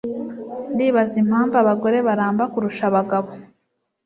Ndibaza impamvu abagore baramba kurusha abagabo.